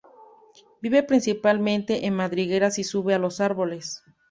Vive principalmente en madrigueras y sube a los árboles.